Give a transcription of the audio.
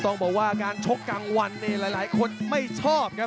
ต้องบอกว่าการชกกลางวันเนี่ยหลายคนไม่ชอบครับ